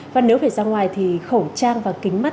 và nếu phải ra ngoài thì khẩu trang và kính mắt